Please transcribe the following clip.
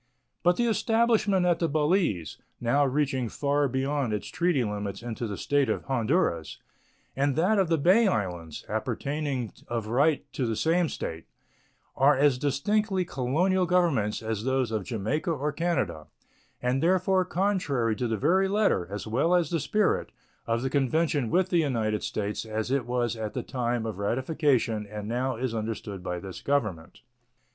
But the establishment at the Balize, now reaching far beyond its treaty limits into the State of Honduras, and that of the Bay Islands, appertaining of right to the same State, are as distinctly colonial governments as those of Jamaica or Canada, and therefore contrary to the very letter, as well as the spirit, of the convention with the United States as it was at the time of ratification and now is understood by this Government.